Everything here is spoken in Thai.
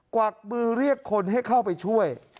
วักมือเรียกคนให้เข้าไปช่วย